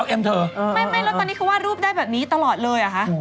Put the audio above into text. ไม่แล้วตอนนี้คือว่ารูปได้แบบนี้ตลอดเลยอะฮะ